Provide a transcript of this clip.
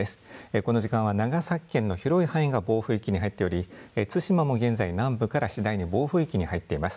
この時間は長崎県の広い範囲が暴風域に入っており対馬も現在、南部から次第に暴風域に入っています。